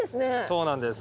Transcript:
そうなんです。